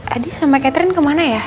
adi sama catherine kemana ya